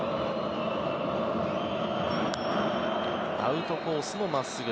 アウトコースの真っすぐ。